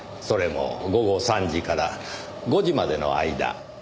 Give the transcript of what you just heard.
それも午後３時から５時までの間。